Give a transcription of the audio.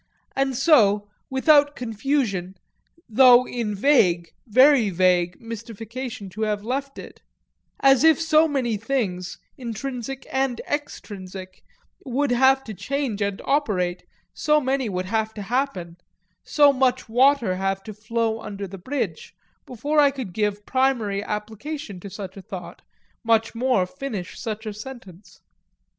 and so, without confusion, though in vague, very vague, mystification to have left it: as if so many things, intrinsic and extrinsic, would have to change and operate, so many would have to happen, so much water have to flow under the bridge, before I could give primary application to such a thought, much more finish such a sentence.